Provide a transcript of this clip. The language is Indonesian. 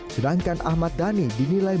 sedangkan ahmad dhani dinilai